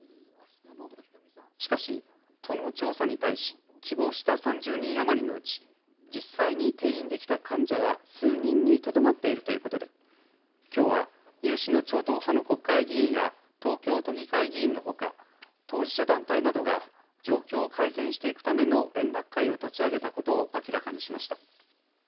しかし都の調査に対し希望した３０人余りのうち実際に転院できた患者は数人にとどまっているということできょうは有志の超党派の国会議員や東京都議会議員のほか当事者団体などが状況を改善していくための連絡会を立ち上げたことを明らかにしました。